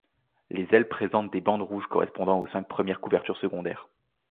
Les ailes présentent des bandes rouges correspondant aux cinq premières couvertures secondaires.